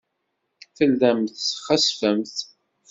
Tellamt txessfemt.